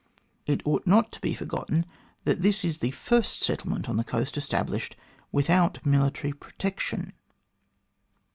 It ought not to be forgotten that this is the first settlement on the coast established without military protection."